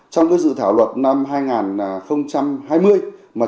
trong cái sự thảo luận năm hai nghìn hai mươi mà